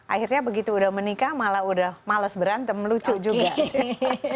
akhirnya begitu udah menikah malah udah males berantem lucu juga sih